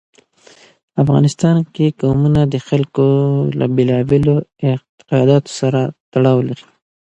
افغانستان کې قومونه د خلکو له بېلابېلو اعتقاداتو سره تړاو لري.